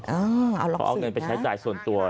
เอาลองสืบนะค่ะเขาเอาเงินไปใช้จ่ายส่วนตัว